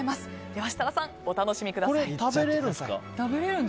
では設楽さん、お楽しみください。